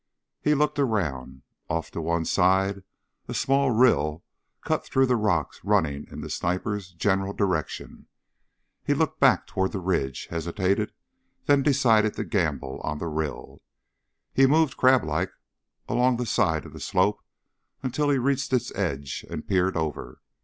He looked around. Off to one side a small rill cut through the rocks running in the sniper's general direction. He looked back toward the ridge, hesitated, then decided to gamble on the rill. He moved crablike along the side of the slope until he reached its edge and peered over.